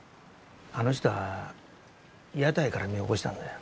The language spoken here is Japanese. あの人は屋台から身を起こしたんだよ。